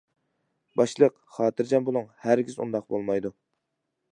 باشلىق : خاتىرجەم بولۇڭ، ھەرگىز ئۇنداق بولمايدۇ.